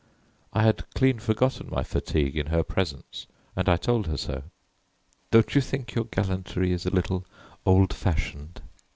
I had clean forgotten my fatigue in her presence, and I told her so. "Don't you think your gallantry is a little old fashioned?"